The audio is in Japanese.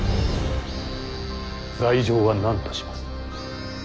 罪状は何とします。